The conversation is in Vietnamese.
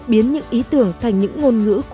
biến những ý tưởng thành những ngôn ngữ quy hoạch cụ thể